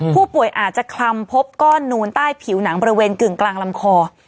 ผู้ป่วยอาจจะคลำพบก้อนนูนใต้ผิวหนังบริเวณกึ่งกลางลำคอ